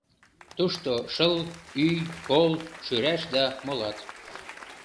Тушто — шыл, ӱй, кол, шӱраш да молат.